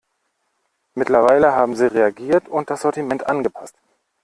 Mittlerweile haben sie reagiert und das Sortiment angepasst.